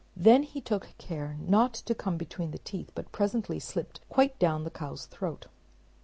Then he took care not to come between the teeth, but presently slipped quite down the cow's throat.